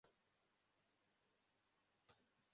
Imbwa y'umukara hamwe n'ibibwana byera irambaraye hasi